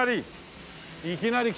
いきなり！